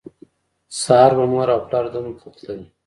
سهار به مور او پلار دندو ته تلل